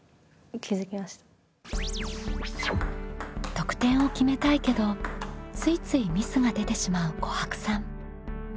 得点を決めたいけどついついミスが出てしまうこはくさん。